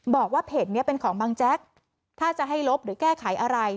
บอกว่าเพจนี้เป็นของบังแจ๊กถ้าจะให้ลบหรือแก้ไขอะไร